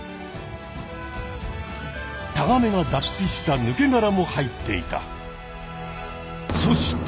タガメが脱皮したぬけがらも入っていた。